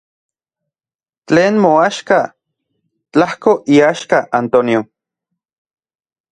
Tlen moaxka, tlajko iaxka Antonio.